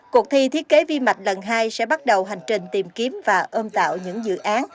cuộc thi thiết kế vi mạch lần hai sẽ bắt đầu hành trình tìm kiếm và ôm tạo những dự án